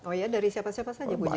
oh ya dari siapa siapa saja pujiannya